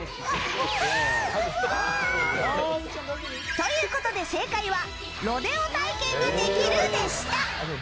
ということで正解はロデオ体験ができるでした。